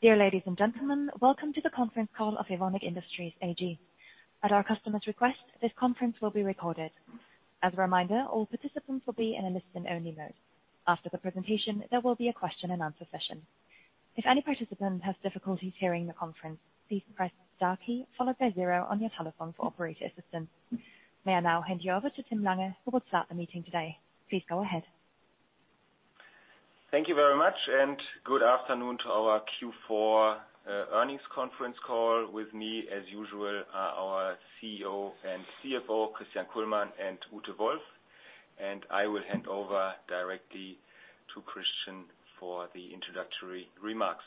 Dear ladies and gentlemen, welcome to the conference call of Evonik Industries AG. At our customer's request, this conference will be recorded. As a reminder, all participants will be in a listen-only mode. After the presentation, there will be a question and answer session. If any participant has difficulties hearing the conference, please press star key followed by zero on your telephone for operator assistance. May I now hand you over to Tim Lange, who will start the meeting today. Please go ahead. Thank you very much, and good afternoon to our Q4 earnings conference call. With me, as usual, are our CEO and CFO, Christian Kullmann and Ute Wolf. I will hand over directly to Christian for the introductory remarks.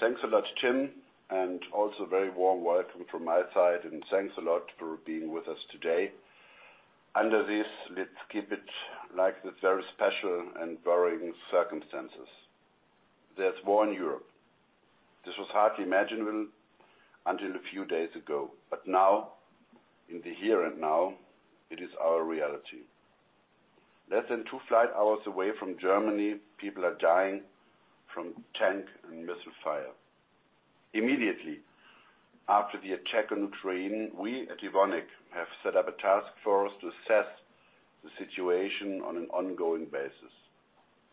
Thanks a lot, Tim, and also very warm welcome from my side, and thanks a lot for being with us today. Under these, let's keep it light, the very special and worrying circumstances. There's war in Europe. This was hardly imaginable until a few days ago. Now, in the here and now, it is our reality. Less than 2 flight hours away from Germany, people are dying from tank and missile fire. Immediately after the attack on Ukraine, we at Evonik have set up a task force to assess the situation on an ongoing basis.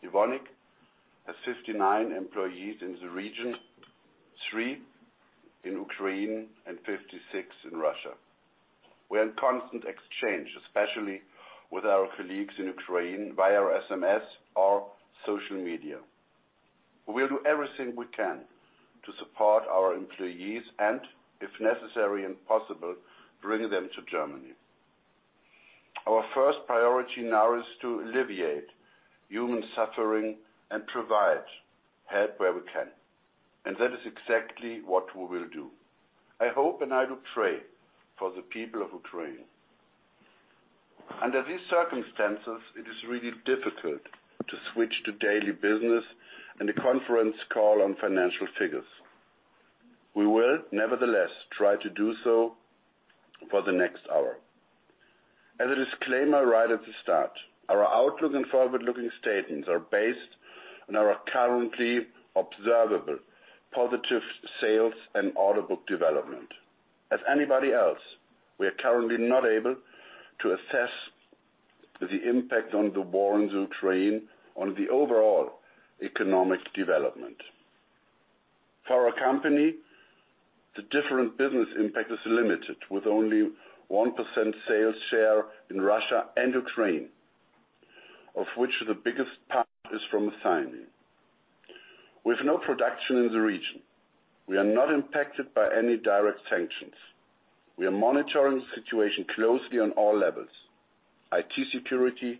Evonik has 59 employees in the region, 3 in Ukraine and 56 in Russia. We're in constant exchange, especially with our colleagues in Ukraine via SMS or social media. We'll do everything we can to support our employees, and if necessary and possible, bring them to Germany. Our first priority now is to alleviate human suffering and provide help where we can. That is exactly what we will do. I hope, I do pray for the people of Ukraine. Under these circumstances, it is really difficult to switch to daily business and a conference call on financial figures. We will nevertheless try to do so for the next hour. As a disclaimer right at the start, our outlook and forward-looking statements are based on our currently observable positive sales and order book development. As anybody else, we are currently not able to assess the impact on the war in Ukraine on the overall economic development. For our company, the different business impact is limited with only 1% sales share in Russia and Ukraine, of which the biggest part is from amino acids. With no production in the region, we are not impacted by any direct sanctions. We are monitoring the situation closely on all levels: IT security,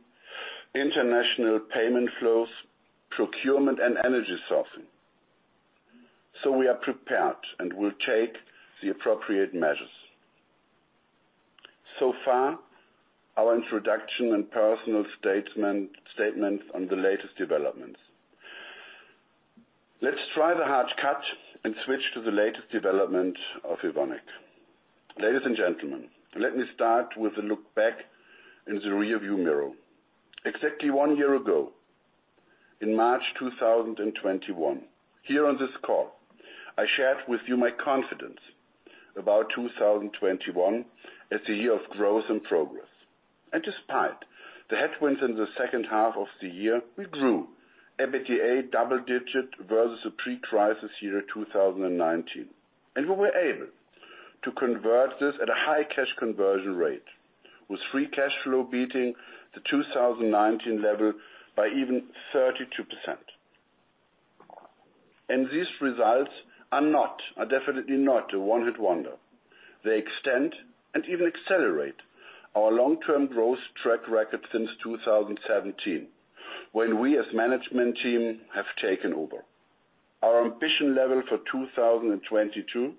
international payment flows, procurement and energy sourcing. We are prepared and will take the appropriate measures. Our introduction and personal statement on the latest developments. Let's try the hard cut and switch to the latest development of Evonik. Ladies and gentlemen, let me start with a look back in the rearview mirror. Exactly one year ago in March 2021, here on this call, I shared with you my confidence about 2021 as the year of growth and progress. Despite the headwinds in the second half of the year, we grew EBITDA double-digit versus the pre-crisis year 2019. We were able to convert this at a high cash conversion rate, with free cash flow beating the 2019 level by even 32%. These results are definitely not a one-hit wonder. They extend and even accelerate our long-term growth track record since 2017, when we as management team have taken over. Our ambition level for 2022,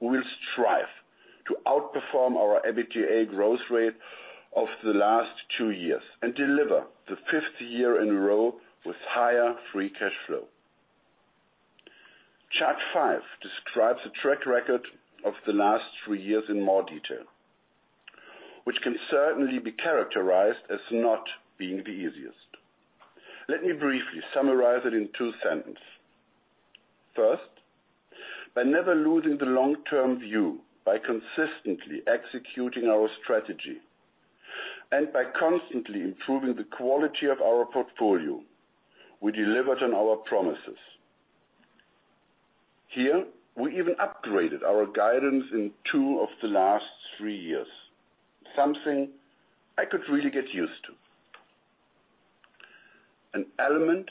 we will strive to outperform our EBITDA growth rate of the last 2 years and deliver the fifth year in a row with higher free cash flow. Chart 5 describes the track record of the last 3 years in more detail, which can certainly be characterized as not being the easiest. Let me briefly summarize it in two sentences. First, by never losing the long-term view, by consistently executing our strategy, and by constantly improving the quality of our portfolio, we delivered on our promises. Here, we even upgraded our guidance in two of the last three years, something I could really get used to. An element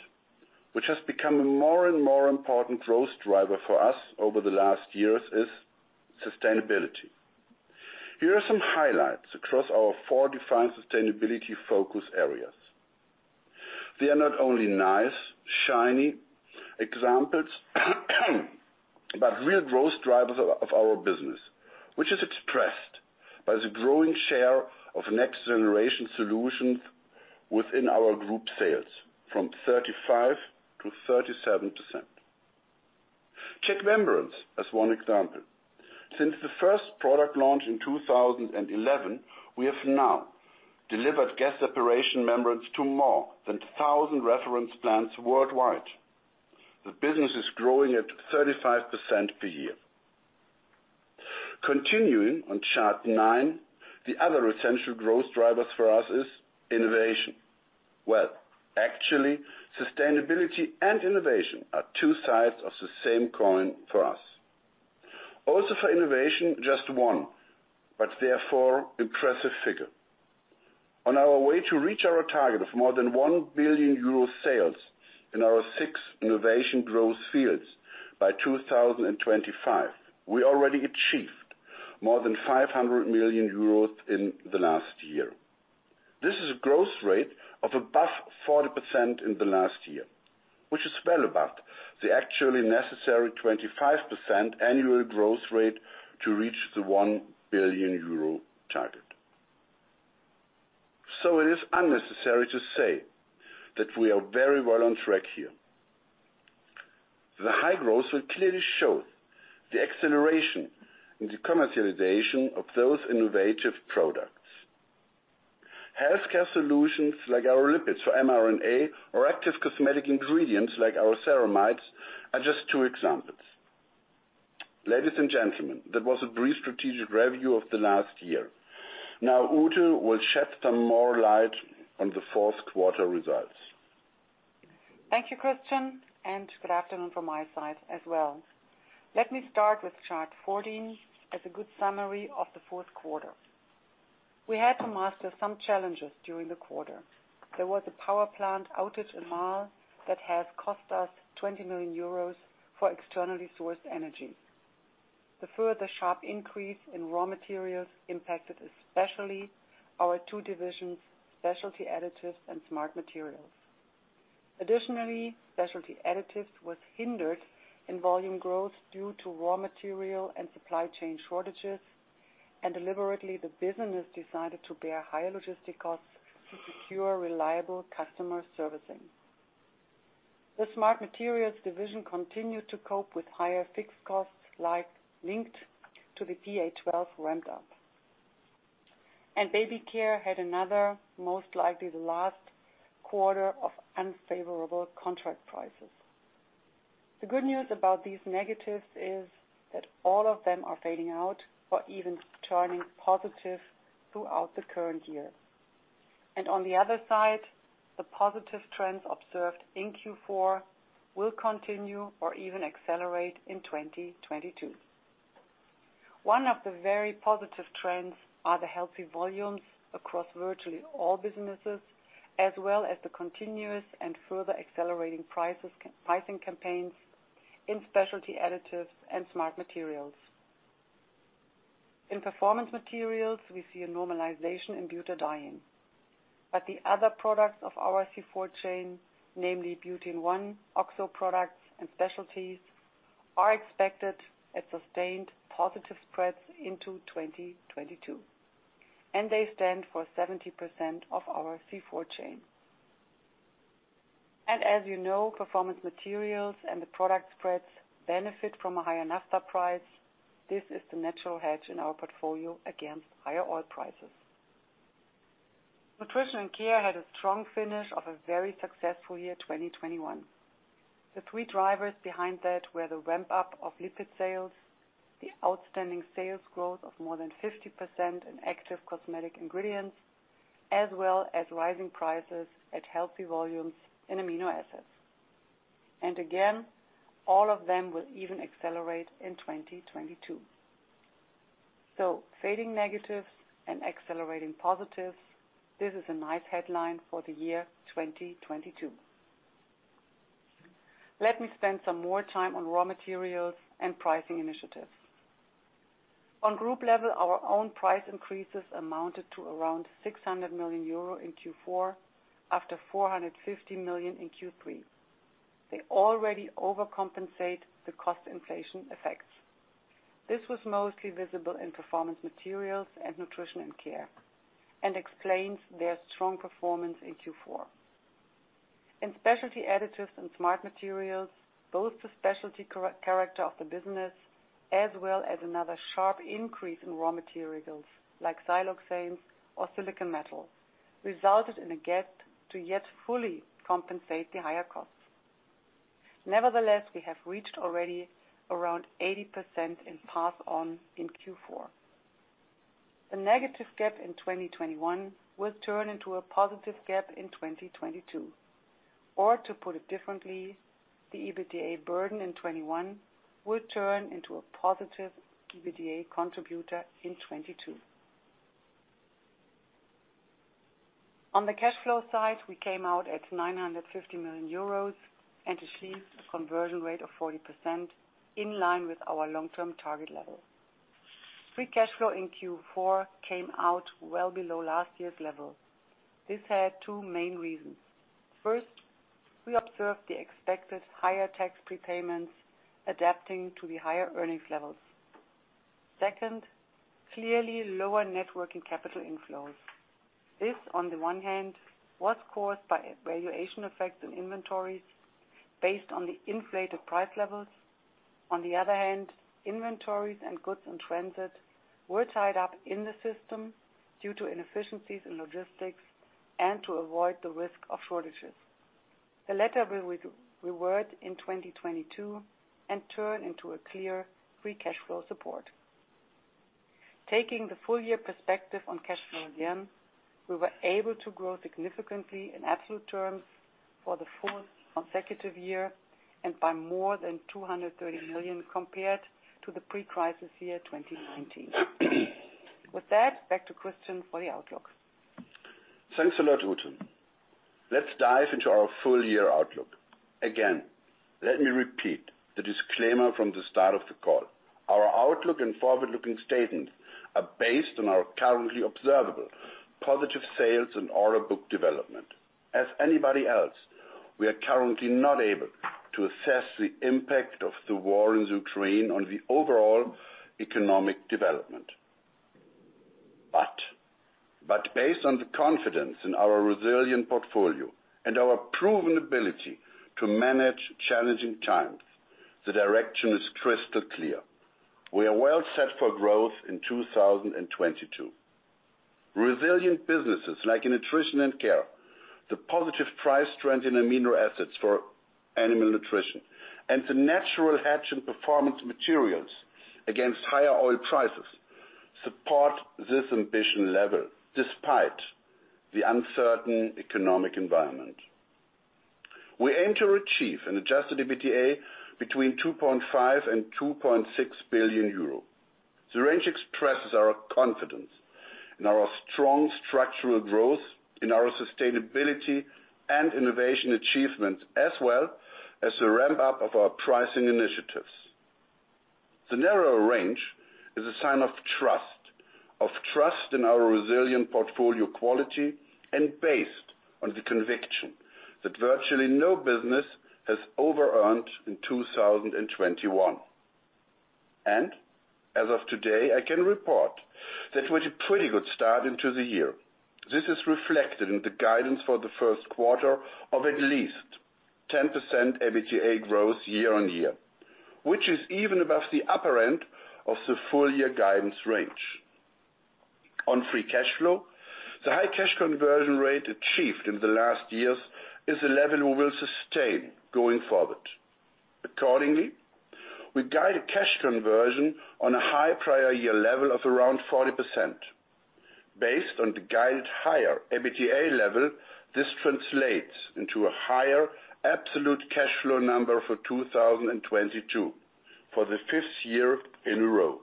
which has become a more and more important growth driver for us over the last years is sustainability. Here are some highlights across our four defined sustainability focus areas. They are not only nice, shiny examples but real growth drivers of our business, which is expressed by the growing share of Next Generation Solutions within our group sales from 35-37%. SEPURAN membranes as one example. Since the first product launch in 2011, we have now delivered gas separation membranes to more than 1,000 reference plants worldwide. The business is growing at 35% per year. Continuing on chart 9, the other potential growth drivers for us is innovation. Well, actually, sustainability and innovation are two sides of the same coin for us. Also, for innovation, just one but therefore impressive figure. On our way to reach our target of more than 1 billion euro sales in our six innovation growth fields by 2025, we already achieved more than 500 million euros in the last year. This is a growth rate of above 40% in the last year, which is well above the actually necessary 25% annual growth rate to reach the 1 billion euro target. It is unnecessary to say that we are very well on track here. The high growth will clearly show the acceleration in the commercialization of those innovative products. Health care solutions like our lipids for mRNA or active cosmetic ingredients like our Ceramides are just two examples. Ladies and gentlemen, that was a brief strategic review of the last year. Now Ute will shed some more light on the fourth quarter results. Thank you, Christian, and good afternoon from my side as well. Let me start with chart 14 as a good summary of the fourth quarter. We had to master some challenges during the quarter. There was a power plant outage in Marl that has cost us 20 million euros for externally sourced energy. The further sharp increase in raw materials impacted especially our 2 divisions, Specialty Additives and Smart Materials. Additionally, Specialty Additives was hindered in volume growth due to raw material and supply chain shortages, and deliberately, the business decided to bear higher logistic costs to secure reliable customer servicing. The Smart Materials division continued to cope with higher fixed costs, like linked to the PA 12 ramped up. Baby Care had another, most likely the last quarter of unfavorable contract prices. The good news about these negatives is that all of them are fading out or even turning positive throughout the current year. On the other side, the positive trends observed in Q4 will continue or even accelerate in 2022. One of the very positive trends are the healthy volumes across virtually all businesses, as well as the continuous and further accelerating prices, pricing campaigns in Specialty Additives and Smart Materials. In Performance Materials, we see a normalization in butadiene. The other products of our C4 chain, namely butene-1, Oxo products, and specialties, are expected at sustained positive spreads into 2022, and they stand for 70% of our C4 chain. As you know, Performance Materials and the product spreads benefit from a higher Naphtha price. This is the natural hedge in our portfolio against higher oil prices. Nutrition and Care had a strong finish of a very successful year, 2021. The three drivers behind that were the ramp-up of lipid sales, the outstanding sales growth of more than 50% in active cosmetic ingredients, as well as rising prices at healthy volumes in amino acids. Again, all of them will even accelerate in 2022. Fading negatives and accelerating positives, this is a nice headline for the year 2022. Let me spend some more time on raw materials and pricing initiatives. On group level, our own price increases amounted to around 600 million euro in Q4 after 450 million in Q3. They already overcompensate the cost inflation effects. This was mostly visible in Performance Materials and Nutrition and Care, and explains their strong performance in Q4. In Specialty Additives and Smart Materials, both the specialty character of the business, as well as another sharp increase in raw materials like siloxanes or silicon metals, resulted in a gap to yet fully compensate the higher costs. Nevertheless, we have reached already around 80% in pass on in Q4. The negative gap in 2021 will turn into a positive gap in 2022. To put it differently, the EBITDA burden in 2021 will turn into a positive EBITDA contributor in 2022. On the cash flow side, we came out at 950 million euros and achieved a conversion rate of 40% in line with our long-term target level. Free cash flow in Q4 came out well below last year's level. This had two main reasons. First, we observed the expected higher tax prepayments adapting to the higher earnings levels. Second, clearly lower net working capital inflows. This, on the one hand, was caused by valuation effects in inventories based on the inflated price levels. On the other hand, inventories and goods in transit were tied up in the system due to inefficiencies in logistics and to avoid the risk of shortages. The latter will reverse in 2022 and turn into a clear free cash flow support. Taking the full year perspective on cash flow again, we were able to grow significantly in absolute terms for the fourth consecutive year and by more than 230 million compared to the pre-crisis year, 2019. With that, back to Christian for the outlook. Thanks a lot, Ute. Let's dive into our full-year outlook. Again, let me repeat the disclaimer from the start of the call. Our outlook and forward-looking statements are based on our currently observable positive sales and order book development. As anybody else, we are currently not able to assess the impact of the war in Ukraine on the overall economic development. Based on the confidence in our resilient portfolio and our proven ability to manage challenging times, the direction is crystal clear. We are well set for growth in 2022. Resilient businesses like Nutrition & Care, the positive price trend in amino acids for animal nutrition, and the natural hedge in Performance Materials against higher oil prices support this ambition level despite the uncertain economic environment. We aim to achieve an adjusted EBITDA between 2.5 billion and 2.6 billion euro. The range expresses our confidence in our strong structural growth, in our sustainability and innovation achievements, as well as the ramp-up of our pricing initiatives. The narrower range is a sign of trust, of trust in our resilient portfolio quality and based on the conviction that virtually no business has over-earned in 2021. As of today, I can report that we had a pretty good start into the year. This is reflected in the guidance for the first quarter of at least 10% EBITDA growth year-on-year, which is even above the upper end of the full year guidance range. On free cash flow, the high cash conversion rate achieved in the last years is the level we will sustain going forward. Accordingly, we guide cash conversion on a high prior year level of around 40%. Based on the guided higher EBITDA level, this translates into a higher absolute cash flow number for 2022 for the fifth year in a row.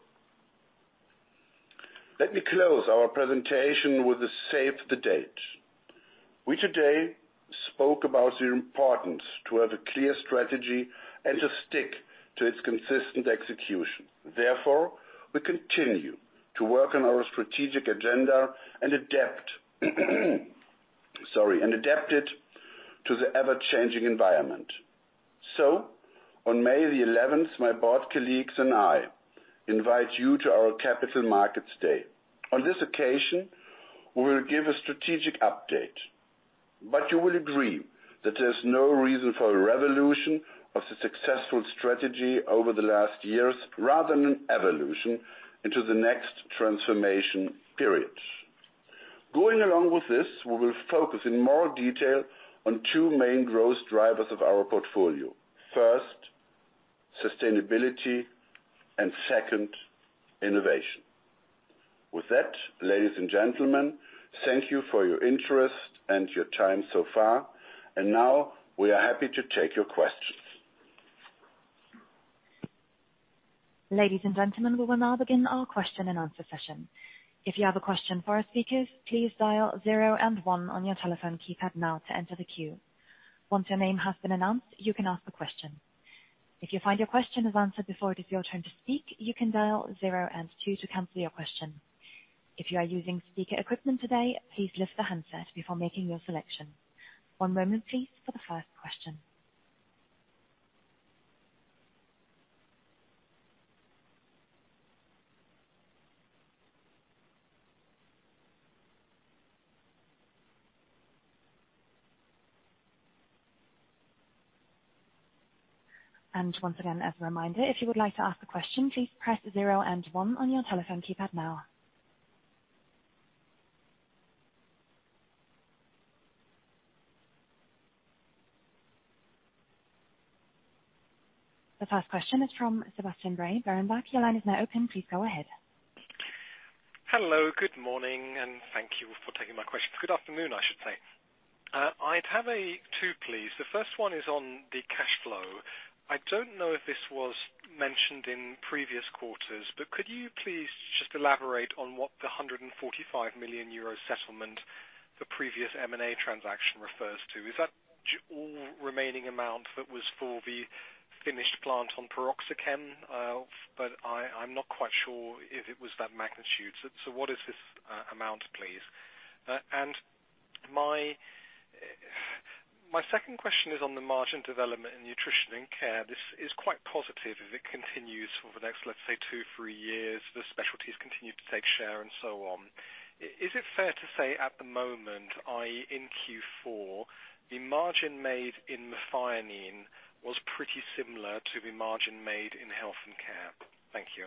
Let me close our presentation with a save the date. We today spoke about the importance to have a clear strategy and to stick to its consistent execution. Therefore, we continue to work on our strategic agenda and adapt it to the ever-changing environment. On May 11, my board colleagues and I invite you to our Capital Markets Day. On this occasion, we will give a strategic update, but you will agree that there's no reason for a revolution of the successful strategy over the last years rather than an evolution into the next transformation period. Going along with this, we will focus in more detail on two main growth drivers of our portfolio. First, sustainability, and second, innovation. With that, ladies and gentlemen, thank you for your interest and your time so far, and now we are happy to take your questions. Ladies and gentlemen, we will now begin our question and answer session. If you have a question for our speakers, please dial 0 and 1 on your telephone keypad now to enter the queue. Once your name has been announced, you can ask a question. If you find your question is answered before it is your turn to speak, you can dial 0 and 2 to cancel your question. If you are using speaker equipment today, please lift the handset before making your selection. One moment, please, for the first question. Once again, as a reminder, if you would like to ask a question, please press 0 and 1 on your telephone keypad now. The first question is from Sebastian Bray, Berenberg. Your line is now open. Please go ahead. Hello. Good morning, and thank you for taking my question. Good afternoon, I should say. I'd have two, please. The first one is on the cash flow. I don't know if this was mentioned in previous quarters, but could you please just elaborate on what the 145 million euro settlement the previous M&A transaction refers to? Is that all remaining amount that was for the finished plant on PLEXIGLAS? But I'm not quite sure if it was that magnitude. So what is this amount, please? And my second question is on the margin development in Nutrition & Care. This is quite positive as it continues for the next, let's say, 2-3 years, the specialties continue to take share and so on. Is it fair to say at the moment, i.e., in Q4, the margin made in methionine was pretty similar to the margin made in Health Care? Thank you.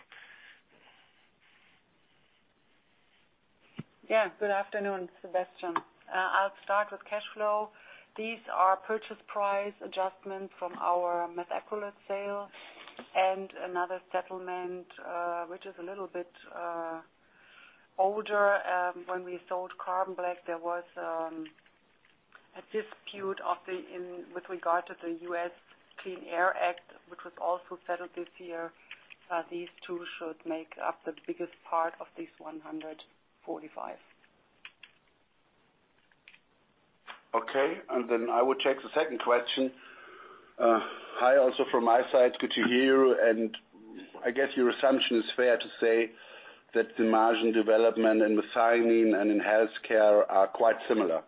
Good afternoon, Sebastian. I'll start with cash flow. These are purchase price adjustments from our methacrylate sale and another settlement, which is a little bit older. When we sold Carbon Black, there was a dispute with regard to the U.S. Clean Air Act, which was also settled this year. These two should make up the biggest part of this 145. Okay, I will take the second question. Hi also from my side. Good to hear, and I guess your assumption is fair to say that the margin development in methionine and in Health Care are quite similar.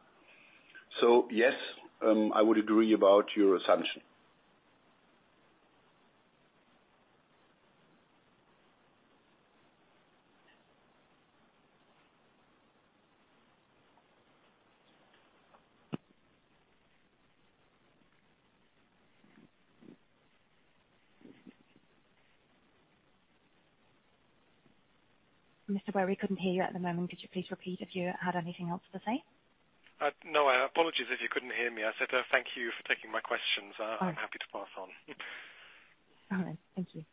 Yes, I would agree about your assumption. Andreas Woehrl, we couldn't hear you at the moment. Could you please repeat if you had anything else to say? No. Apologies if you couldn't hear me. I said, thank you for taking my questions. All right. I'm happy to pass on. All right. Thank you.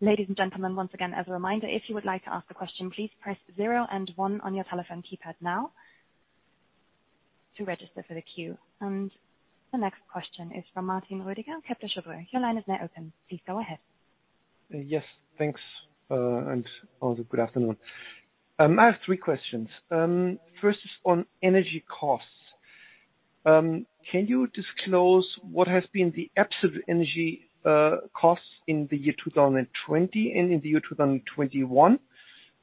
Ladies and gentlemen, once again, as a reminder, if you would like to ask a question, please press zero and one on your telephone keypad now to register for the queue. The next question is from `Martin Rodiger, Kepler Cheuvreux Your line is now open. Please go ahead. Yes, thanks, and also good afternoon. I have three questions. First is on energy costs. Can you disclose what has been the absolute energy costs in the year 2020 and in the year 2021?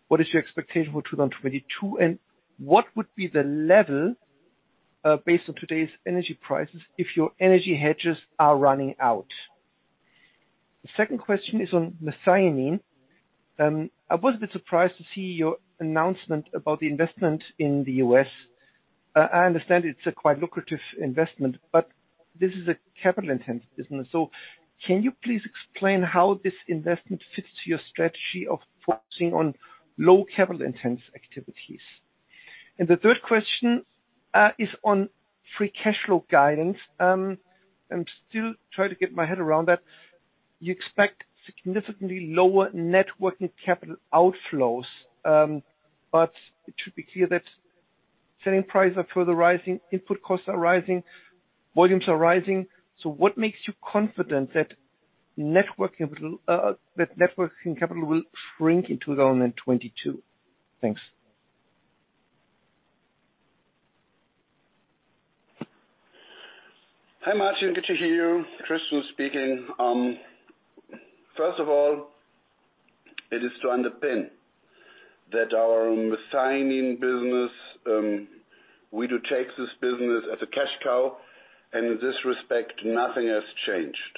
What is your expectation for 2022, and what would be the level based on today's energy prices if your energy hedges are running out? The second question is on methionine. I was a bit surprised to see your announcement about the investment in the U.S. I understand it's a quite lucrative investment, but this is a capital-intensive business. So can you please explain how this investment fits your strategy of focusing on low capital-intensive activities? The third question is on free cash flow guidance. I'm still trying to get my head around that. You expect significantly lower net working capital outflows, but it should be clear that selling prices are further rising, input costs are rising, volumes are rising. What makes you confident that net working capital will shrink in 2022? Thanks. Hi, Martin. Good to hear you. Tristan speaking. First of all, it is to underpin that our methionine business, we do take this business as a cash cow, and in this respect, nothing has changed.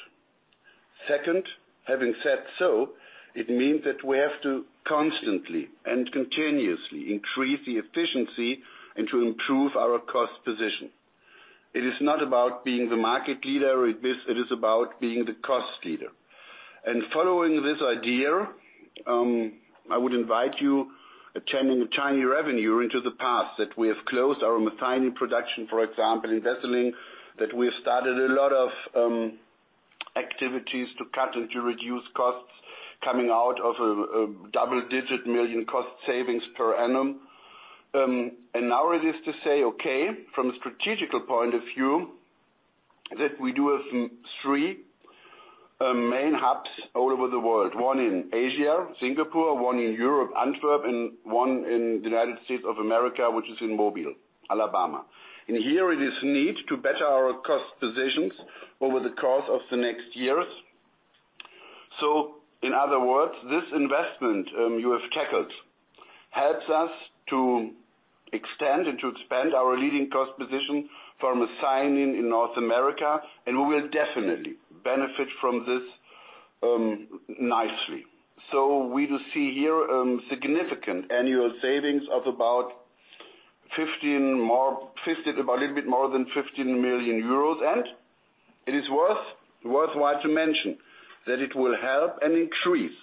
Second, having said so, it means that we have to constantly and continuously increase the efficiency and to improve our cost position. It is not about being the market leader. It is about being the cost leader. Following this idea, I would invite you to take a look at the initiatives in the past that we have closed our methionine production, for example, in Wesseling, that we have started a lot of activities to cut and to reduce costs coming out of a double-digit million EUR cost savings per annum. Now that is to say, from a strategic point of view, that we do have three main hubs all over the world, one in Asia, Singapore, one in Europe, Antwerp, and one in the United States of America, which is in Mobile, Alabama. Here we need to better our cost positions over the course of the next years. In other words, this investment you have tackled helps us to extend and to expand our leading cost position for methionine in North America, and we will definitely benefit from this nicely. We do see here significant annual savings of about a little bit more than 15 million euros. It is worthwhile to mention that it will help and increase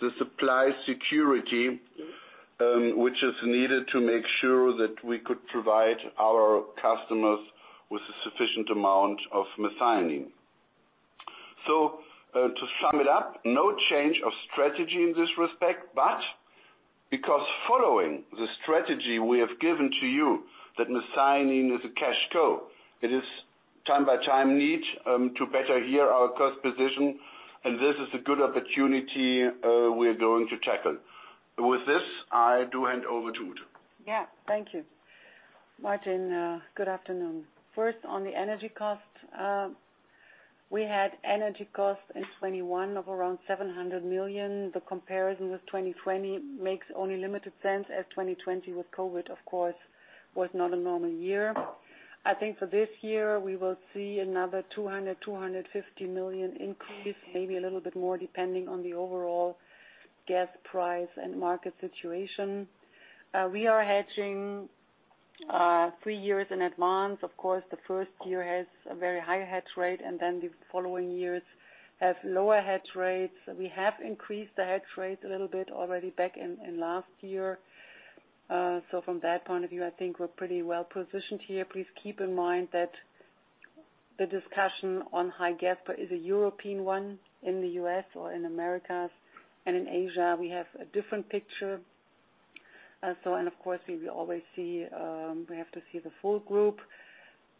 the supply security, which is needed to make sure that we could provide our customers with a sufficient amount of methionine. To sum it up, no change of strategy in this respect, but because following the strategy we have given to you that methionine is a cash cow, it is from time to time we need to better our cost position, and this is a good opportunity, we're going to tackle. With this, I do hand over to Ute. Thank you. Martin, good afternoon. First, on the energy cost, we had energy costs in 2021 of around 700 million. The comparison with 2020 makes only limited sense as 2020 with COVID, of course, was not a normal year. I think for this year, we will see another 200 million-250 million increase, maybe a little bit more depending on the overall gas price and market situation. We are hedging three years in advance. Of course, the first year has a very high hedge rate, and then the following years have lower hedge rates. We have increased the hedge rates a little bit already back in last year. So from that point of view, I think we're pretty well-positioned here. Please keep in mind that the discussion on high gas is a European one. In the U.S. or in the Americas and in Asia, we have a different picture. We will always see. We have to see the full group.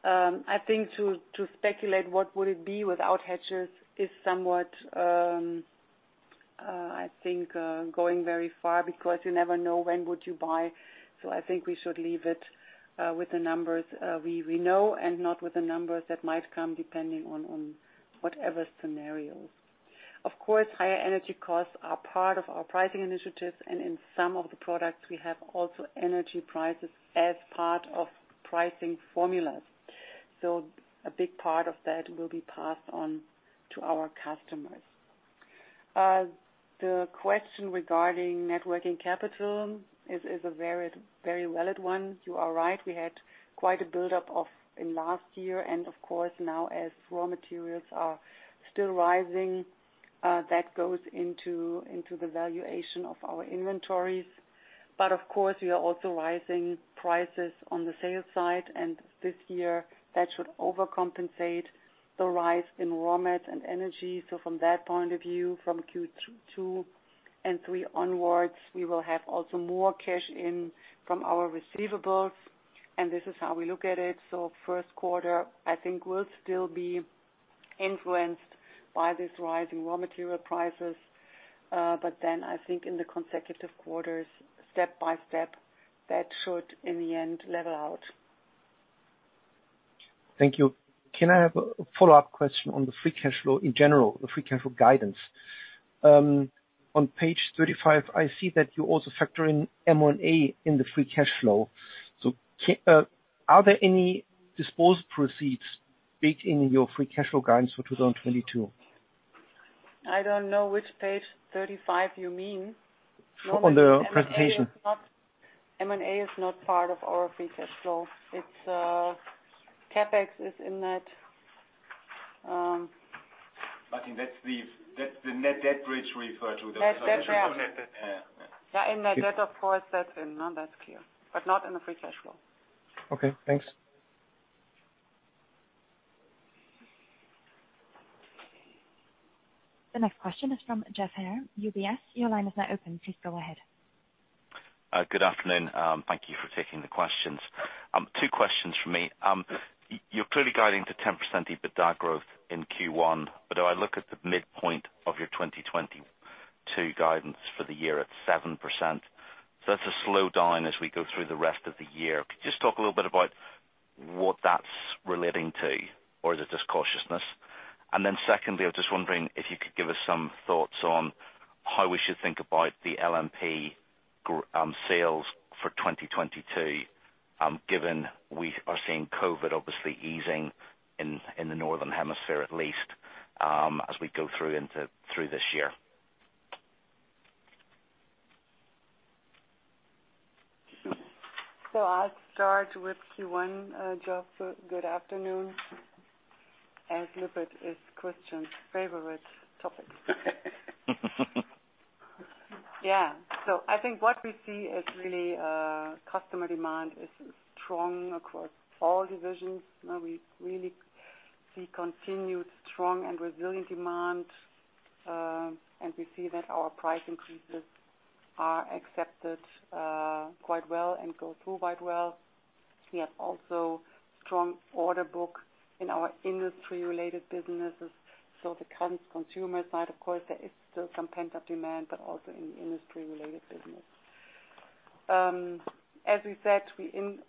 I think to speculate what would it be without hedges is somewhat going very far because you never know when would you buy. I think we should leave it with the numbers we know and not with the numbers that might come depending on whatever scenarios. Higher energy costs are part of our pricing initiatives, and in some of the products we have also energy prices as part of pricing formulas. A big part of that will be passed on to our customers. The question regarding net working capital is a very valid one. You are right. We had quite a build-up of inventory in last year, and of course, now as raw materials are still rising, that goes into the valuation of our inventories. Of course, we are also raising prices on the sales side, and this year that should overcompensate the rise in raw materials and energy. From that point of view, from Q2 and Q3 onwards, we will have also more cash in from our receivables, and this is how we look at it. First quarter, I think we'll still be influenced by this rise in raw material prices, but then I think in the consecutive quarters, step by step, that should in the end level out. Thank you. Can I have a follow-up question on the free cash flow in general, the free cash flow guidance? On page 35, I see that you're also factoring M&A in the free cash flow. Are there any disposed proceeds baked in your free cash flow guidance for 2022? I don't know which page 35 you mean. On the presentation. M&A is not part of our free cash flow. It's CapEx is in that. I think that's the net debt bridge referred to there. Net debt, yeah. Yeah. Yeah. Yeah, in the net, of course, that's in. No, that's clear. Not in the free cash flow. Okay, thanks. The next question is from Geoff Haire, UBS. Your line is now open. Please go ahead. Good afternoon. Thank you for taking the questions. Two questions from me. You're clearly guiding to 10% EBITDA growth in Q1, but I look at the midpoint of your 2022 guidance for the year at 7%. That's a slow down as we go through the rest of the year. Could you just talk a little bit about what that's relating to? Or is it just cautiousness? And then secondly, I was just wondering if you could give us some thoughts on how we should think about the LNP sales for 2022, given we are seeing COVID obviously easing in the Northern Hemisphere, at least, as we go through this year. I'll start with Q1, Geoff. Good afternoon. As LNP is Christian's favorite topic. Yeah. I think what we see is really customer demand is strong across all divisions. You know, we really see continued strong and resilient demand, and we see that our price increases are accepted quite well and go through quite well. We have also strong order book in our industry-related businesses. The consumer side, of course, there is still some pent-up demand, but also in industry-related business. As we said,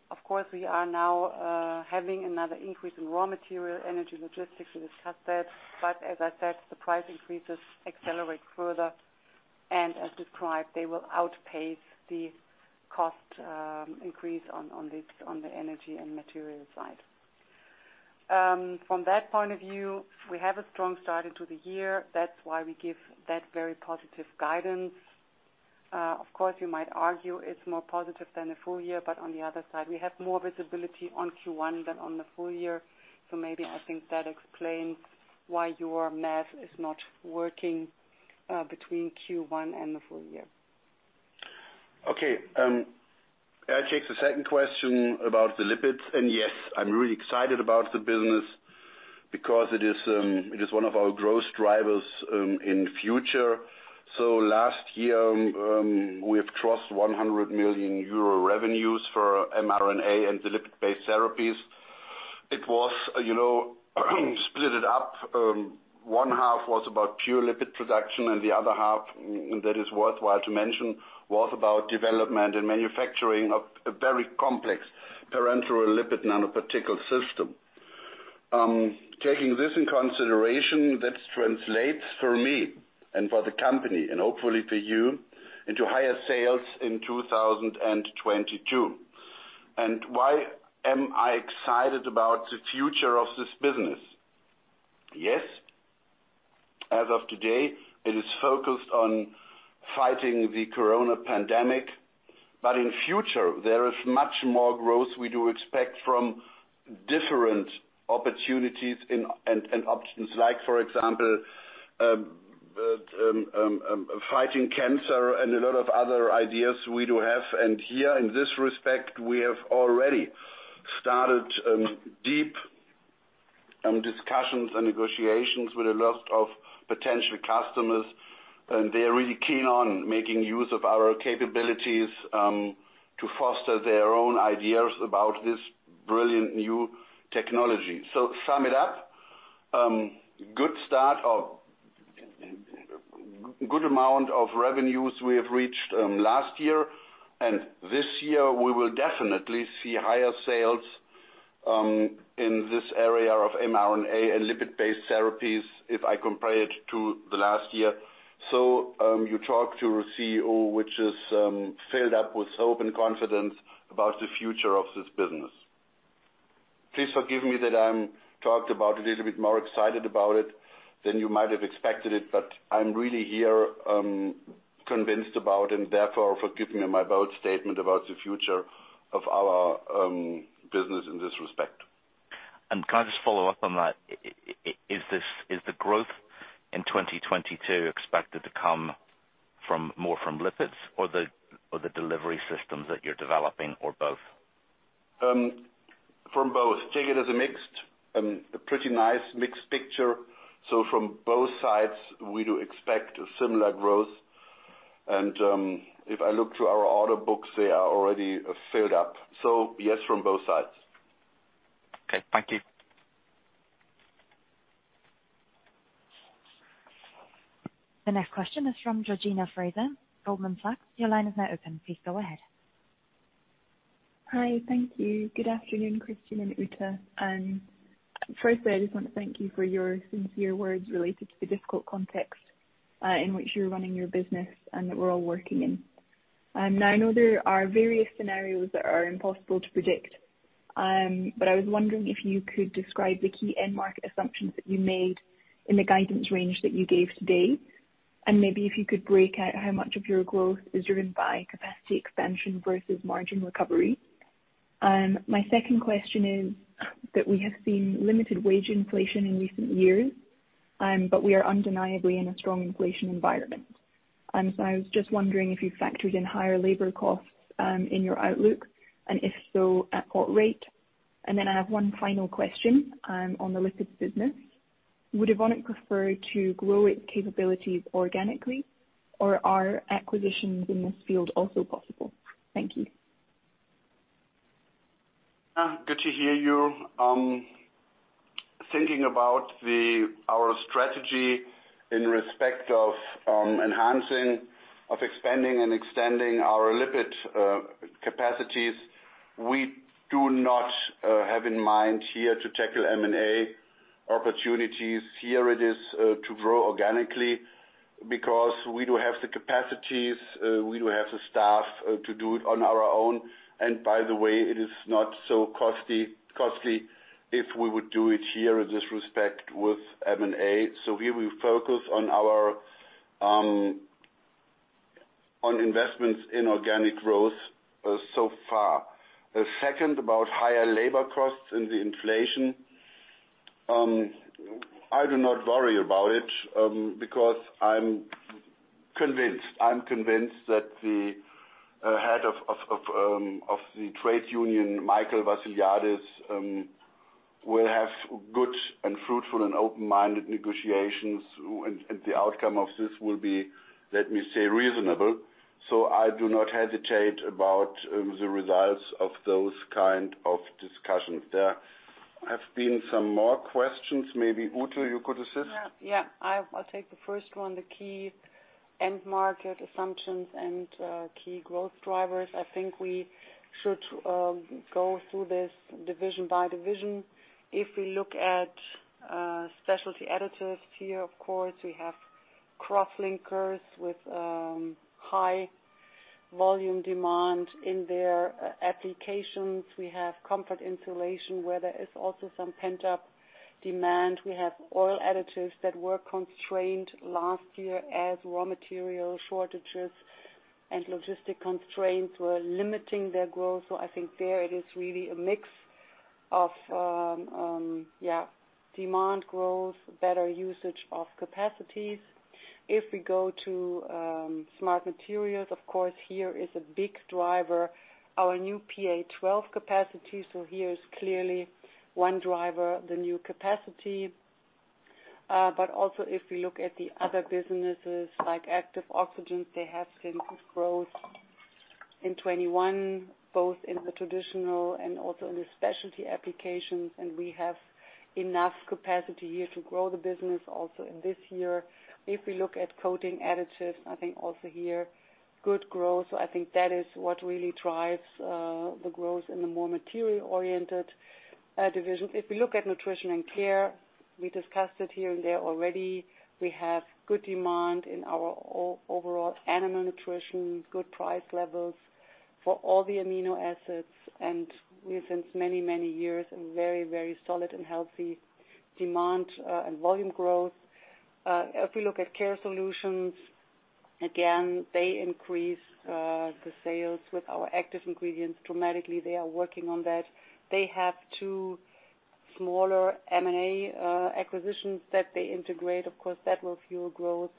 of course, we are now having another increase in raw material, energy, logistics, we discussed that. As I said, the price increases accelerate further. As described, they will outpace the cost increase on the energy and material side. From that point of view, we have a strong start into the year. That's why we give that very positive guidance. Of course, you might argue it's more positive than the full year, but on the other side, we have more visibility on Q1 than on the full year. Maybe I think that explains why your math is not working between Q1 and the full year. Okay, I take the second question about the lipids. Yes, I'm really excited about the business because it is one of our growth drivers in the future. Last year, we have crossed 100 million euro revenues for mRNA and the lipid-based therapies. It was, you know, split it up, one half was about pure lipid production, and the other half, that is worthwhile to mention, was about development and manufacturing of a very complex parenteral lipid nanoparticle system. Taking this in consideration, that translates for me and for the company, and hopefully for you, into higher sales in 2022. Why am I excited about the future of this business? Yes, as of today, it is focused on fighting the corona pandemic, but in future, there is much more growth we do expect from different opportunities and options like, for example, fighting cancer and a lot of other ideas we do have. Here, in this respect, we have already started deep discussions and negotiations with a lot of potential customers, and they are really keen on making use of our capabilities to foster their own ideas about this brilliant new technology. Sum it up, good start of a good amount of revenues we have reached last year, and this year we will definitely see higher sales in this area of mRNA and lipid-based therapies if I compare it to the last year. You talk to a CEO which is filled up with hope and confidence about the future of this business. Please forgive me that I'm talked about a little bit more excited about it than you might have expected it, but I'm really here convinced about and therefore, forgive me on my bold statement about the future of our business in this respect. Can I just follow up on that? Is the growth in 2022 expected to come from, more from lipids or the, or the delivery systems that you're developing or both? From both. Take it as a mixed, a pretty nice mixed picture. From both sides, we do expect a similar growth. If I look to our order books, they are already filled up. Yes, from both sides. Okay. Thank you. The next question is from Georgina Fraser, Goldman Sachs. Your line is now open. Please go ahead. Hi. Thank you. Good afternoon, Christian and Ute. Firstly, I just want to thank you for your sincere words related to the difficult context in which you're running your business and that we're all working in. Now, I know there are various scenarios that are impossible to predict, but I was wondering if you could describe the key end market assumptions that you made in the guidance range that you gave today. Maybe if you could break out how much of your growth is driven by capacity expansion versus margin recovery. My second question is that we have seen limited wage inflation in recent years, but we are undeniably in a strong inflation environment. I was just wondering if you factored in higher labor costs in your outlook, and if so, at what rate. I have one final question, on the lipids business. Would Evonik prefer to grow its capabilities organically or are acquisitions in this field also possible? Thank you. Good to hear you thinking about our strategy in respect of enhancing of expanding and extending our lipid capacities. We do not have in mind here to tackle M&A opportunities. Here it is to grow organically because we do have the capacities, we do have the staff to do it on our own. By the way, it is not so costly if we would do it here in this respect with M&A. Here we focus on investments in organic growth so far. Second, about higher labor costs and the inflation, I do not worry about it because I'm convinced that the head of the trade union, Michael Vassiliadis, will have good and fruitful and open-minded negotiations. The outcome of this will be, let me say, reasonable. I do not hesitate about the results of those kind of discussions. There have been some more questions, maybe, Ute, you could assist. I'll take the first one, the key end market assumptions and key growth drivers. I think we should go through this division by division. If we look at Specialty Additives here, of course, we have Crosslinkers with high volume demand in their applications. We have Comfort & Insulation, where there is also some pent-up demand. We have Oil Additives that were constrained last year as raw material shortages and logistic constraints were limiting their growth. I think there it is really a mix of demand growth, better usage of capacities. If we go to Smart Materials, of course, here is a big driver, our new PA 12 capacity. Here is clearly one driver, the new capacity. But also if we look at the other businesses like Active Oxygens, they have seen growth. In 2021, both in the traditional and also in the specialty applications, and we have enough capacity here to grow the business also in this year. If we look at Coating Additives, I think also here good growth. I think that is what really drives the growth in the more material-oriented division. If we look at Nutrition & Care, we discussed it here and there already. We have good demand in our overall Animal Nutrition, good price levels for all the amino acids, and we have since many, many years a very, very solid and healthy demand and volume growth. If we look at Care Solutions, again, they increase the sales with our active ingredients dramatically. They are working on that. They have two smaller M&A acquisitions that they integrate. Of course, that will fuel growth.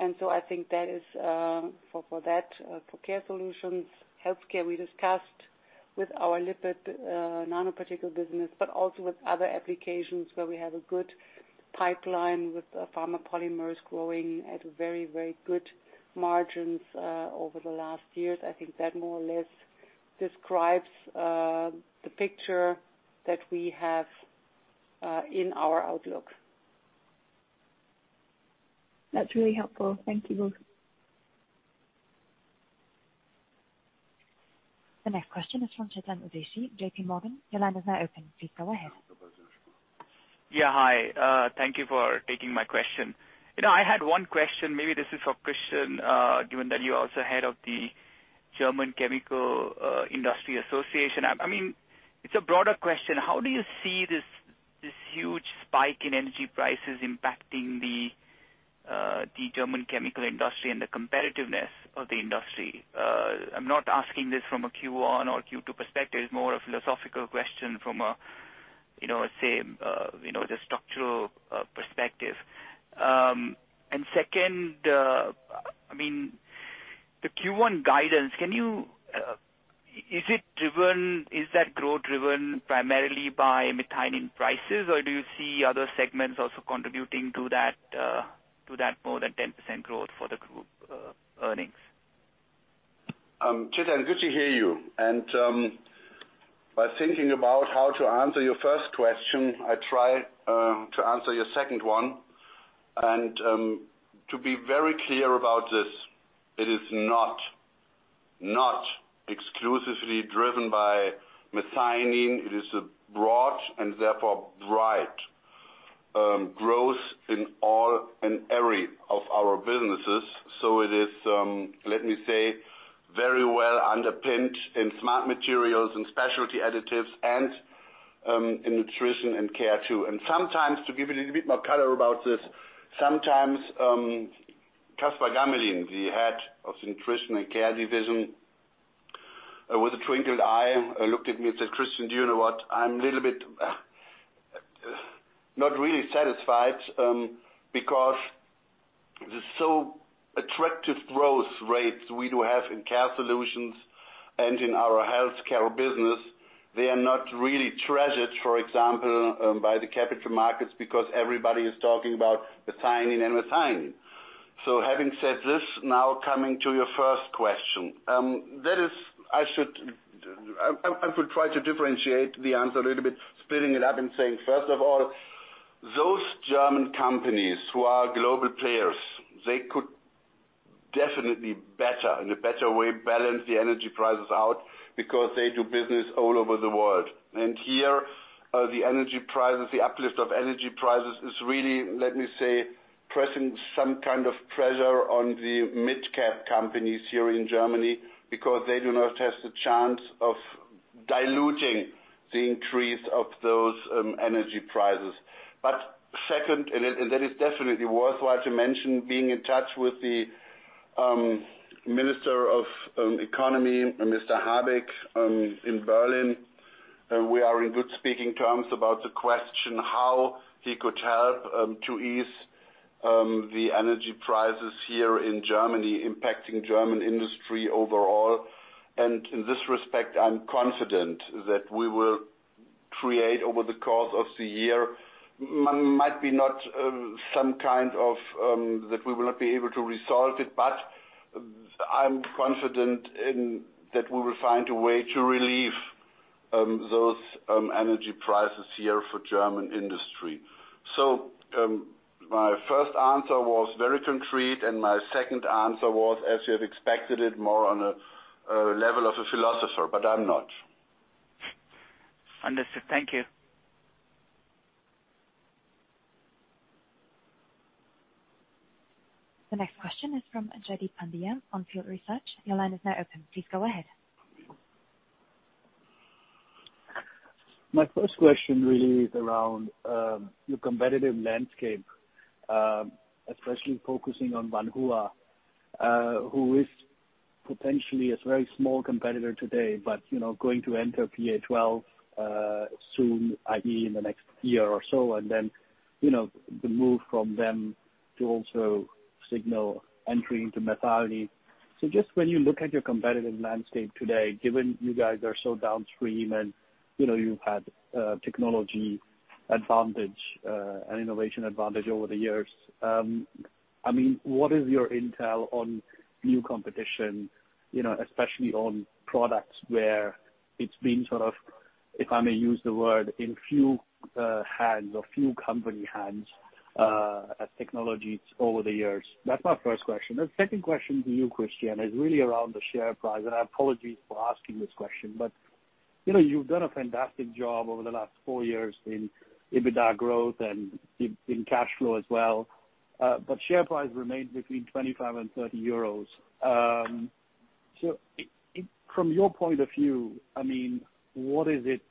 I think that is for Care Solutions. For Health Care, we discussed with our lipid nanoparticle business, but also with other applications where we have a good pipeline with Pharma Polymers growing at very, very good margins over the last years. I think that more or less describes the picture that we have in our outlook. That's really helpful. Thank you both. The next question is from Chetan Udeshi, J.P. Morgan. Your line is now open. Please go ahead. Hi. Thank you for taking my question. You know, I had one question. Maybe this is for Christian, given that you are also head of the German Chemical Industry Association. I mean, it's a broader question. How do you see this huge spike in energy prices impacting the German chemical industry and the competitiveness of the industry? I'm not asking this from a Q1 or Q2 perspective. It's more a philosophical question from a, you know, say, you know, the structural perspective. Second, I mean, the Q1 guidance. Can you... Is that growth driven primarily by methionine prices, or do you see other segments also contributing to that more than 10% growth for the group earnings? Chetan, good to hear you. By thinking about how to answer your first question, I try to answer your second one. To be very clear about this, it is not exclusively driven by methionine. It is a broad and therefore right growth in all and every of our businesses. It is, let me say, very well underpinned in Smart Materials and Specialty Additives and in Nutrition & Care too. Sometimes, to give you a little bit more color about this, sometimes Yann d'Hervé, the head of the Nutrition & Care division, with a twinkled eye, looked at me and said, "Christian, do you know what? I'm a little bit not really satisfied because the so attractive growth rates we do have in Care Solutions and in our Health Care business, they are not really treasured, for example, by the capital markets because everybody is talking about methionine. Having said this, now coming to your first question, that is, I will try to differentiate the answer a little bit, splitting it up and saying, first of all, those German companies who are global players, they could definitely better, in a better way, balance the energy prices out because they do business all over the world. Here, the energy prices, the uplift of energy prices is really, let me say, pressing some kind of pressure on the midcap companies here in Germany because they do not have the chance of diluting the increase of those energy prices. But second, that is definitely worthwhile to mention, being in touch with the Minister of Economy, Mr. Habeck, in Berlin, we are on good speaking terms about the question how he could help to ease the energy prices here in Germany impacting German industry overall. I'm confident that we will, over the course of the year, not be able to resolve it, but I'm confident that we will find a way to relieve those energy prices here for German industry. My first answer was very concrete, and my second answer was, as you have expected it, more on a level of a philosopher, but I'm not. Understood. Thank you. The next question is from Jaideep Pandya, On Field Research. Your line is now open. Please go ahead. My first question really is around your competitive landscape, especially focusing on Wanhua, who is potentially a very small competitor today, but, you know, going to enter PA 12 soon, i.e., in the next year or so, and then, you know, the move from them to also signal entering into methionine. Just when you look at your competitive landscape today, given you guys are so downstream and, you know, you've had technology advantage, an innovation advantage over the years. I mean, what is your intel on new competition? You know, especially on products where it's been sort of, if I may use the word, in few hands or few company hands, as technologies over the years. That's my first question. The second question to you, Christian, is really around the share price. I apologize for asking this question, but, you know, you've done a fantastic job over the last four years in EBITDA growth and in cash flow as well. But share price remains between 25 and 30 euros. From your point of view, I mean, what is it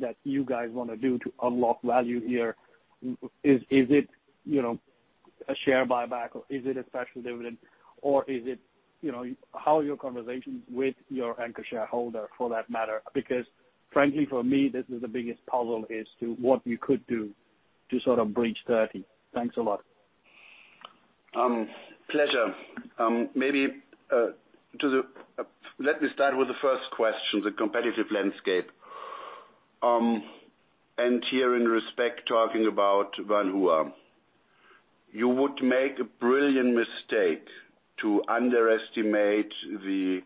that you guys wanna do to unlock value here? Is it, you know, a share buyback or is it a special dividend or is it, you know, how are your conversations with your anchor shareholder for that matter? Because frankly, for me, this is the biggest puzzle, is what you could do to sort of breach 30. Thanks a lot. Pleasure. Let me start with the first question, the competitive landscape. Here in this respect, talking about Wanhua. You would make a brilliant mistake to underestimate the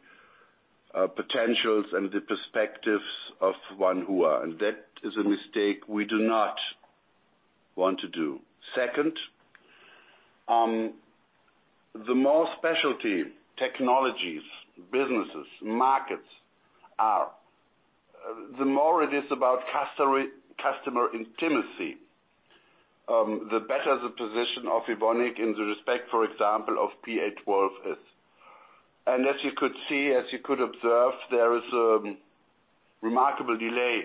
potentials and the perspectives of Wanhua, and that is a mistake we do not want to do. Second, the more specialty technologies, businesses, markets are, the more it is about customer intimacy, the better the position of Evonik in this respect, for example, of PA 12 is. As you could see, as you could observe, there is a remarkable delay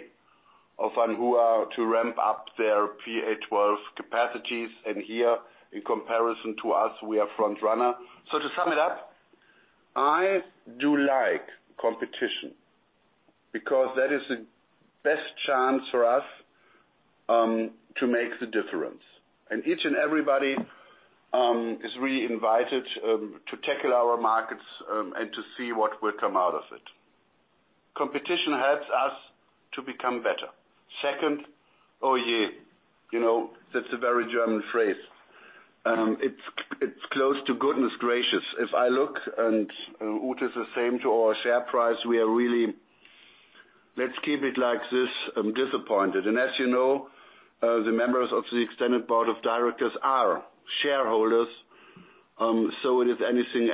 of Wanhua to ramp up their PA 12 capacities. Here in comparison to us, we are front runner. To sum it up, I do like competition because that is the best chance for us to make the difference. Each and everybody is really invited to tackle our markets and to see what will come out of it. Competition helps us to become better. Second, oh yeah. You know, that's a very German phrase. It's close to goodness gracious. If I look at our share price, we are really, let's keep it like this, disappointed. And Ute is the same. As you know, the members of the extended board of directors are shareholders. It is anything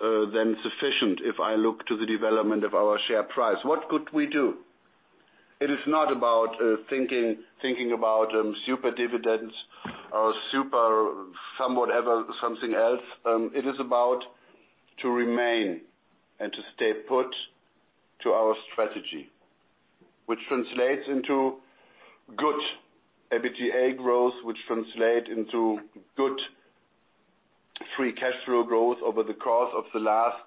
but sufficient if I look at the development of our share price. What could we do? It is not about thinking about super dividends or super some whatever, something else. It is about to remain and to stay put to our strategy, which translates into good EBITDA growth, which translate into good free cash flow growth over the course of the last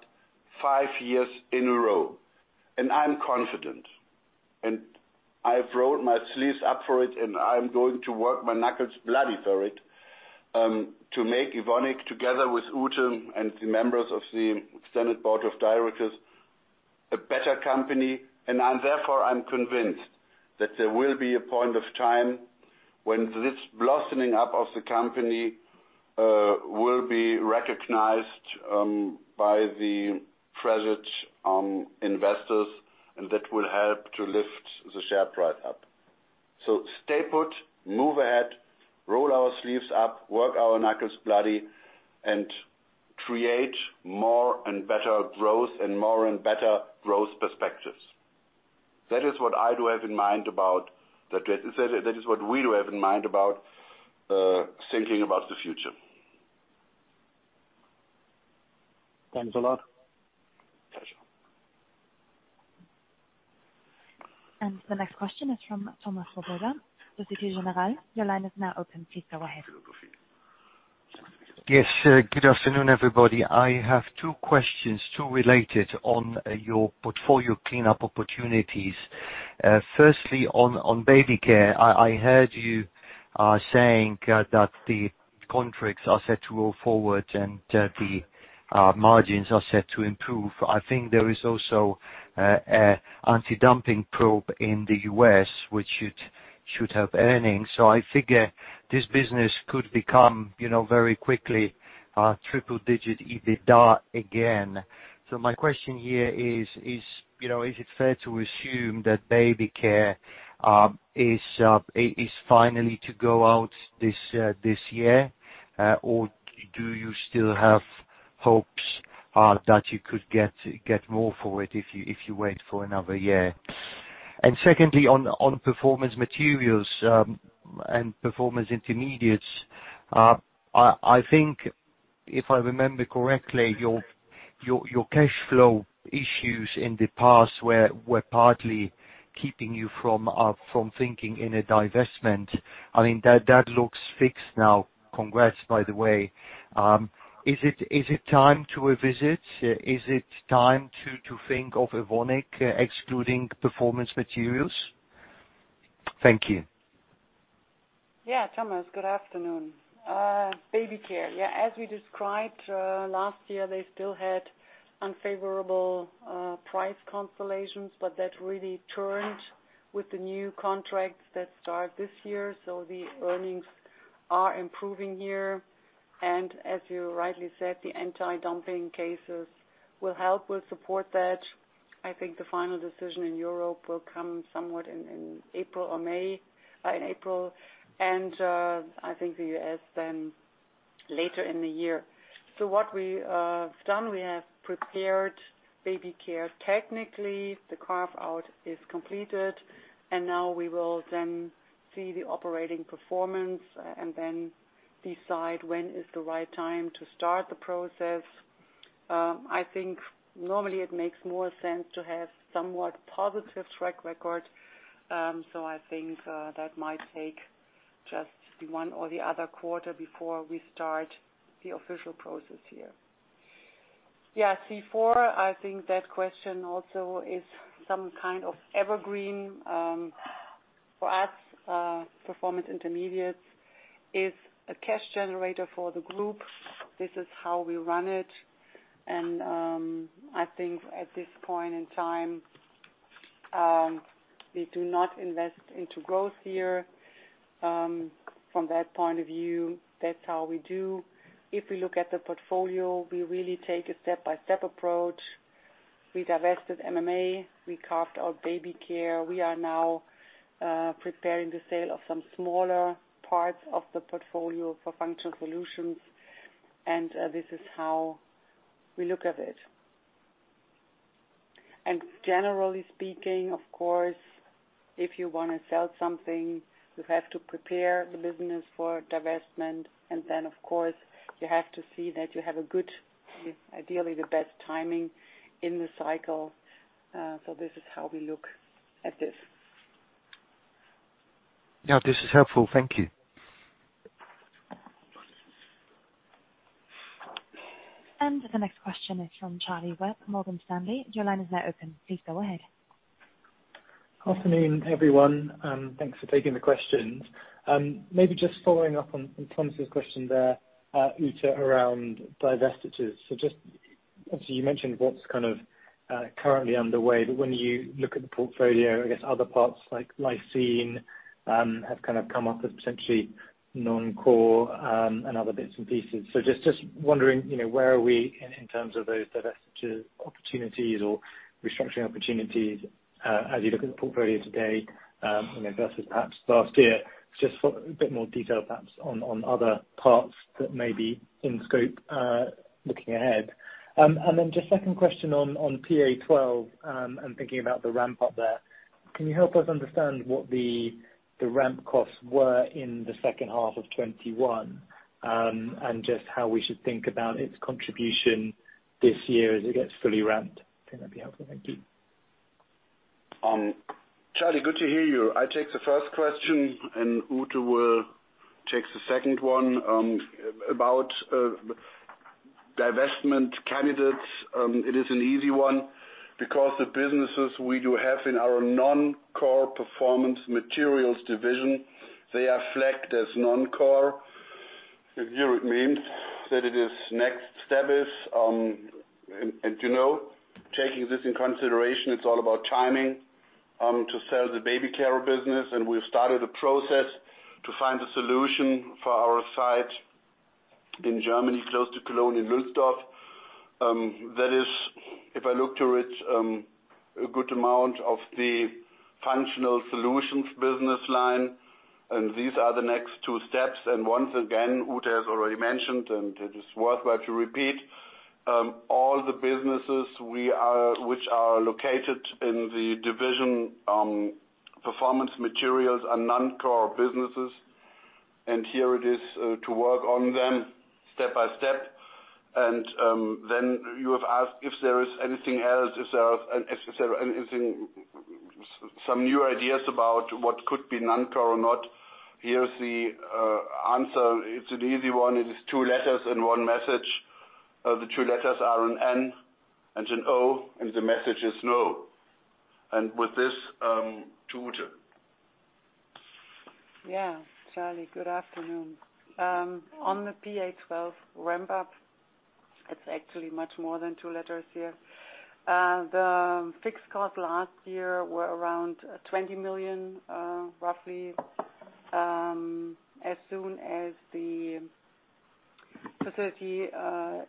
five years in a row. I'm confident, and I've rolled my sleeves up for it, and I'm going to work my knuckles bloody for it, to make Evonik together with Ute and the members of the standard board of directors a better company. I'm therefore convinced that there will be a point of time when this blossoming up of the company will be recognized by the present investors, and that will help to lift the share price up. Stay put, move ahead, roll our sleeves up, work our knuckles bloody, and create more and better growth and more and better growth perspectives. That is what we do have in mind about thinking about the future. Thanks a lot. Pleasure. The next question is from Thomas Wrigglesworth, Société Générale. Your line is now open. Please go ahead. Yes. Good afternoon, everybody. I have two questions, two related on your portfolio cleanup opportunities. Firstly, on Baby Care. I heard you saying that the contracts are set to roll forward and the margins are set to improve. I think there is also a anti-dumping probe in the U.S. which should help earnings. So I figure this business could become, you know, very quickly, triple-digit EBITDA again. So my question here is, you know, is it fair to assume that Baby Care is finally to go out this year? Or do you still have hopes that you could get more for it if you wait for another year? And secondly, on Performance Materials and Performance Intermediates. I think if I remember correctly, your cash flow issues in the past were partly keeping you from thinking in a divestment. I mean, that looks fixed now. Congrats, by the way. Is it time to revisit? Is it time to think of Evonik excluding Performance Materials? Thank you. Yeah, Thomas, good afternoon. Baby Care. Yeah, as we described, last year, they still had unfavorable price constellations, but that really turned with the new contracts that start this year. The earnings are improving here. As you rightly said, the anti-dumping cases will help support that. I think the final decision in Europe will come somewhat in April or May. In April. I think the U.S. then later in the year. What we have done, we have prepared Baby Care. Technically, the carve-out is completed, and now we will then see the operating performance, and then decide when is the right time to start the process. I think normally it makes more sense to have somewhat positive track record. I think that might take just the one or the other quarter before we start the official process here. Yeah, C4, I think that question also is some kind of evergreen. For us, Performance Intermediates is a cash generator for the group. This is how we run it. I think at this point in time, we do not invest into growth here. From that point of view, that's how we do. If we look at the portfolio, we really take a step-by-step approach. We divested MMA, we carved out Baby Care. We are now preparing the sale of some smaller parts of the portfolio for Functional Solutions, and this is how we look at it. Generally speaking, of course, if you wanna sell something, you have to prepare the business for divestment. Of course, you have to see that you have a good, ideally the best timing in the cycle. This is how we look at this. Yeah, this is helpful. Thank you. The next question is from Charlie Webb, Morgan Stanley. Your line is now open. Please go ahead. Afternoon, everyone, and thanks for taking the questions. Maybe just following up on Thomas's question there, Ute, around divestitures. You mentioned what's kind of currently underway, but when you look at the portfolio, I guess other parts like lysine have kind of come up as potentially non-core, and other bits and pieces. Just wondering, you know, where are we in terms of those divestiture opportunities or restructuring opportunities as you look at the portfolio today, you know, versus perhaps last year? Just for a bit more detail perhaps on other parts that may be in scope, looking ahead. Then just second question on PA-12, and thinking about the ramp up there. Can you help us understand what the ramp costs were in the second half of 2021, and just how we should think about its contribution this year as it gets fully ramped? Think that'd be helpful. Thank you. Charlie, good to hear you. I take the first question and Ute will take the second one. About divestment candidates, it is an easy one because the businesses we do have in our non-core Performance Materials division, they are flagged as non-core. Here it means that it is next step is, and you know, taking this into consideration, it's all about timing to sell the Baby Care business. We've started a process to find a solution for our site in Germany, close to Cologne, in Lülsdorf. That is, if I look to it, a good amount of the Functional Solutions business line, and these are the next two steps. Once again, Ute has already mentioned, and it is worthwhile to repeat, all the businesses which are located in the division, Performance Materials are non-core businesses. Here it is to work on them step by step. Then you have asked if there is anything else, is there, et cetera, anything, some new ideas about what could be non-core or not. Here is the answer. It's an easy one. It is two letters and one message. The two letters are an N and an O, and the message is no. With this to Ute. Yeah. Charlie, good afternoon. On the PA-12 ramp up, it's actually much more than two letters here. The fixed costs last year were around 20 million roughly. As soon as the facility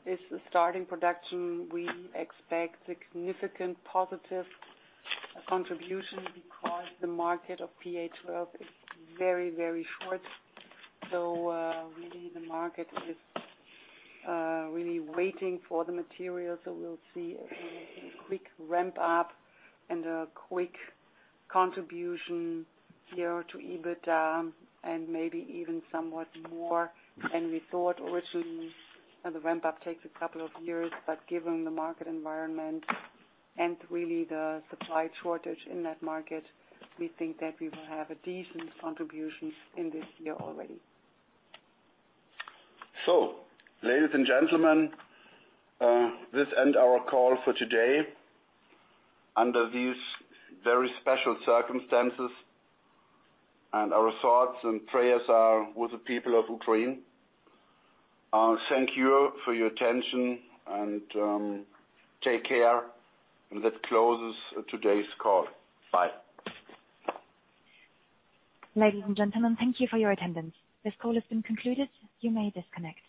is starting production, we expect significant positive contribution because the market of PA-12 is very, very short. So really the market is really waiting for the material. We'll see a quick ramp up and a quick contribution here to EBITDA, and maybe even somewhat more. We thought originally the ramp up takes a couple of years, but given the market environment and really the supply shortage in that market, we think that we will have a decent contribution in this year already. Ladies and gentlemen, this ends our call for today under these very special circumstances, and our thoughts and prayers are with the people of Ukraine. Thank you for your attention and take care. That closes today's call. Bye. Ladies and gentlemen, thank you for your attendance. This call has been concluded. You may disconnect.